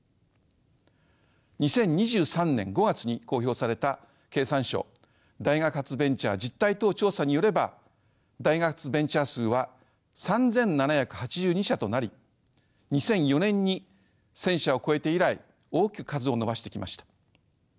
２０２３年５月に公表された経産省大学発ベンチャー実態等調査によれば大学発ベンチャー数は３，７８２社となり２００４年に１，０００社を超えて以来大きく数を伸ばしてきました。